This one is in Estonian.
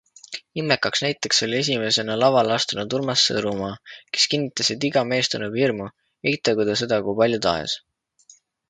Ilmekaks näiteks oli esimesena lavale astunud Urmas Sõõrumaa, kes kinnitas, et iga mees tunneb hirmu, eitagu ta seda kui palju tahes.